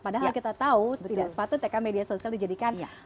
padahal kita tahu tidak sepatutnya media sosial dijadikan